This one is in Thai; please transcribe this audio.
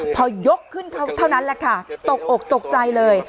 พอยกขึ้นเท่านั้นแหละค่ะตกอกตกใจเลย